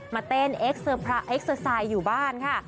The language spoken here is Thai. มาเต้นเอฟเซอร์พระอัฟเซอร์ไซด์อยู่บ้านค่ะ